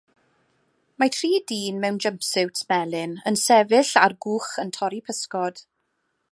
Mae tri dyn mewn jumpsuits melyn yn sefyll ar gwch yn torri pysgod.